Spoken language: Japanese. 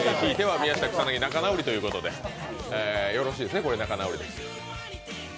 宮下草薙仲直りということでよろしいですね？